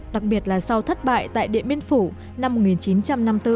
đặc biệt là sau thất bại tại điện biên phủ năm một nghìn chín trăm năm mươi bốn